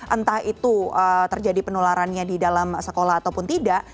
entah itu terjadi penularannya di dalam sekolah ataupun tidak